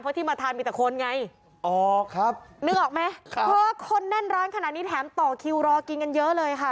เพราะที่มาทานมีแต่คนไงออกครับนึกออกไหมครับเพราะคนแน่นร้านขนาดนี้แถมต่อคิวรอกินกันเยอะเลยค่ะ